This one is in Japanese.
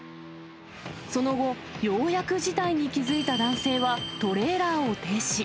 その後、ようやく事態に気付いた男性はトレーラーを停止。